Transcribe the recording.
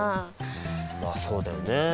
うんまあそうだよね。